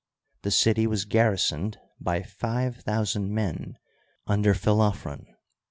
The city was garrisoned by five thousand men under Philophron.